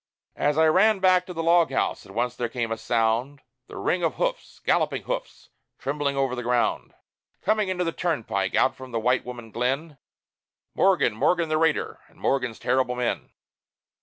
As I ran back to the log house, at once there came a sound The ring of hoofs, galloping hoofs, trembling over the ground Coming into the turnpike, out from the White Woman Glen Morgan, Morgan the raider, and Morgan's terrible men.